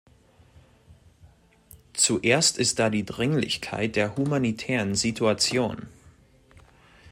Zuerst ist da die Dringlichkeit der humanitären Situation.